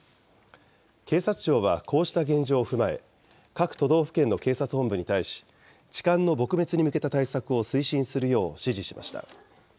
警察庁はこうした現状を踏まえ、各都道府県の警察本部に対し、痴漢の撲滅に向けた対策を推進するよう指示しました。